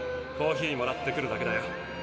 コーヒーもらってくるだけだよ。